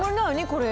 これ。